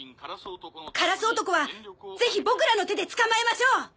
カラス男はぜひボクらの手で捕まえましょう！